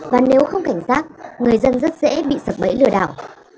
và nếu không cảnh giác người dân rất dễ bị sập bẫy lừa đảo